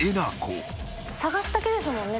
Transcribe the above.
捜すだけですもんね。